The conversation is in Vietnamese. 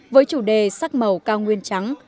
với chủ đề sắc màu cao nguyên trắng